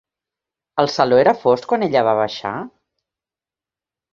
El saló era fosc quan ella va baixar?